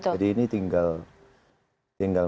jadi ini tinggal